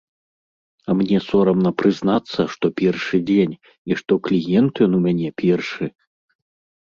А мне сорамна прызнацца, што першы дзень, і што кліент ён у мяне першы.